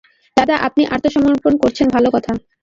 দাদা, আপনি আত্মসমর্পণ করেছেন ভালো কথা।